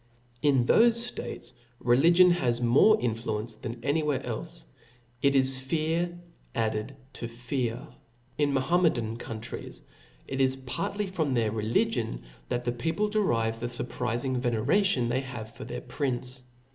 In thofe ftates, religion has more influence than any where elfe •, it is fear added to fear. In Ma* hometan countries, it is partly from thctr religion that the people derive the furprizing veneration they^ have for their prince.